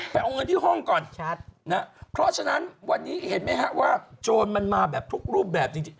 เอาเงินที่ห้องก่อนชัดนะเพราะฉะนั้นวันนี้เห็นไหมฮะว่าโจรมันมาแบบทุกรูปแบบจริง